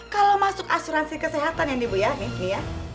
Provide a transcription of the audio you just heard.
kalau masuk asuransi kesehatan ya nih bu ya nih ya